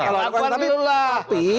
pakuannya dulu lah